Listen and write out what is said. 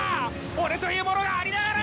俺というものがありながら！